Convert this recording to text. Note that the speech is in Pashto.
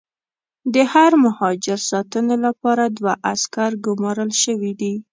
د هر مهاجر ساتنې لپاره دوه عسکر ګومارل شوي دي.